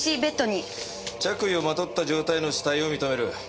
着衣をまとった状態の死体を認める。